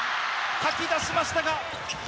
かき出しました。